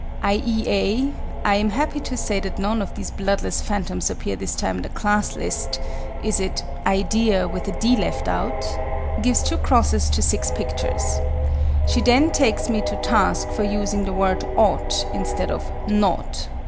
I. E. A. (I am happy to say that none of these bloodless phantoms appear this time in the class list. Is it IDEA with the "D" left out?) gives 2 x's to 6 pictures. She then takes me to task for using the word "ought" instead of "nought."